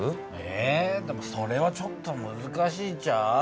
え⁉でもそれはちょっとむずかしいんちゃう？